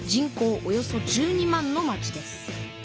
およそ１２万の町です。